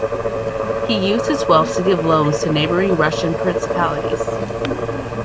He used this wealth to give loans to neighbouring Russian principalities.